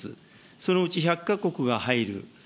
そのうち１００か国が入る